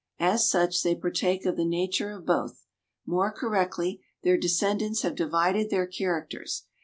As such, they partake of the nature of both. More correctly, their descendants have divided their characters.